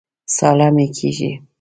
ساړه مي کېږي